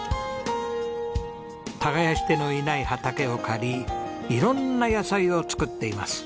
耕し手のいない畑を借り色んな野菜を作っています。